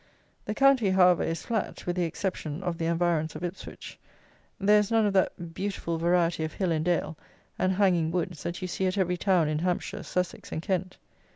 The county, however, is flat: with the exception of the environs of Ipswich, there is none of that beautiful variety of hill and dale, and hanging woods, that you see at every town in Hampshire, Sussex, and Kent.